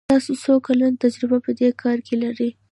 تاسو څو کلن تجربه په دي کار کې لری ؟